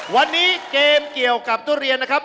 วันนี้เกมเกี่ยวกับทุเรียนนะครับ